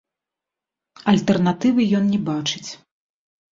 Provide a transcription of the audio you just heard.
Альтэрнатывы ён не бачыць.